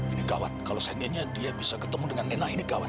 ini gawat kalau seandainya dia bisa ketemu dengan nena ini gawat